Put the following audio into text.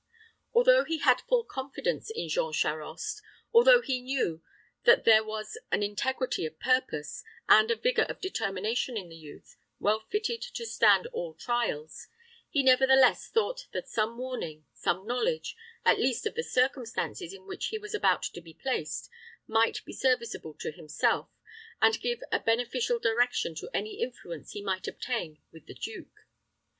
Although he had full confidence in Jean Charost although he knew that there was an integrity of purpose, and a vigor of determination in the youth, well fitted to stand all trials, he nevertheless thought that some warning, some knowledge, at least of the circumstances in which he was about to be placed, might be serviceable to himself, and give a beneficial direction to any influence he might obtain with the duke.